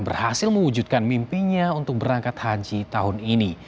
berhasil mewujudkan mimpinya untuk berangkat haji tahun ini